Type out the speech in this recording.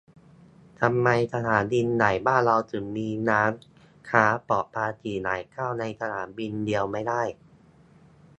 ทำไมสนามบินใหญ่บ้านเราถึงมีร้านค้าปลอดภาษีหลายเจ้าในสนามบินเดียวไม่ได้